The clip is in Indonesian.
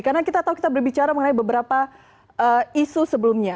karena kita tahu kita berbicara mengenai beberapa isu sebelumnya